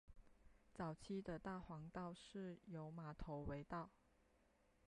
早期的大环道是由马头围道。